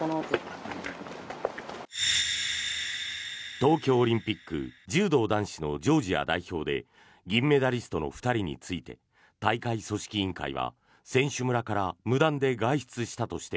東京オリンピック柔道男子のジョージア代表で銀メダリストの２人について大会組織委員会は選手村から無断で外出したとして